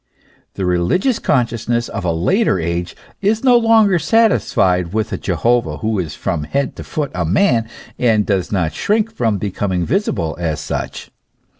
The religious consciousness of a later age is no longer satisfied with a Jehovah who is from head to foot a man, and does not shrink from becoming visible as such.